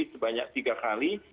sebanyak tiga kali